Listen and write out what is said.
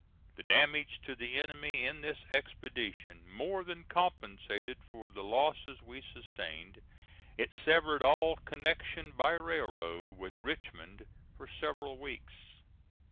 The damage to the enemy in this expedition more than compensated for the losses we sustained. It severed all connection by railroad with Richmond for several weeks.